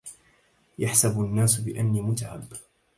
يحسب الناس بأني متعب